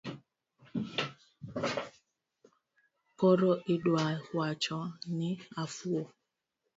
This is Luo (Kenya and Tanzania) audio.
Koro iduawacho ni afuwo?